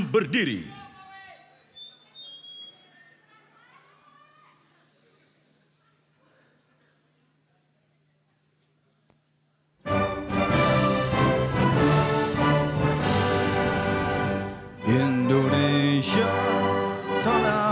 pemirsa dan hadirin sekalian